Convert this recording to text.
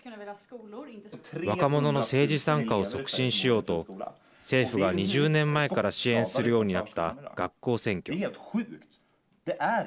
若者の政治参加を促進しようと政府が２０年前から支援するようになった学校選挙。